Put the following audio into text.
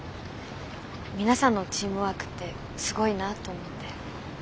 皆さんのチームワークってすごいなと思って。